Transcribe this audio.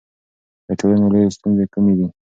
د ټولنې لویې ستونزې کومې دي؟